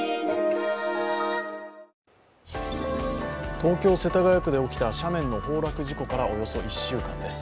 東京・世田谷区で起きた斜面の崩落事故からおよそ１週間です。